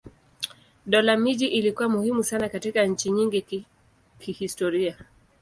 Dola miji ilikuwa muhimu sana katika nchi nyingi kihistoria.